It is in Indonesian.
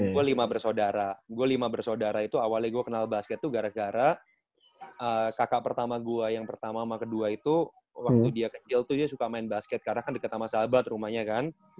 gue lima bersaudara gue lima bersaudara itu awalnya gue kenal basket tuh gara gara kakak pertama gue yang pertama sama kedua itu waktu dia kecil tuh dia suka main basket karena kan dekat sama sahabat rumahnya kan